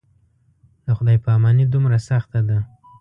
دا خدای پاماني دومره سخته ده.